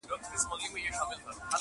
په ښار کي دي مسجد هم میکدې لرې که نه,